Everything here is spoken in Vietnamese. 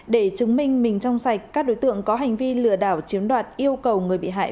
để chứng minh mình trong sạch các đối tượng có hành vi lừa đảo chiếm đoạt yêu cầu người bị hại